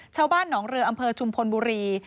ชาวบ้านหนองเรืออำเภอชุมพลบุรี